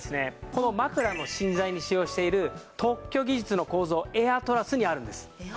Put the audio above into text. この枕の芯材に使用している特許技術の構造エアトラスにあるんです。